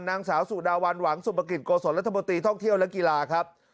นางสาวสุดาวันหวังสุปกิจโกศลรัฐมนตรีท่องเที่ยวและกีฬาครับ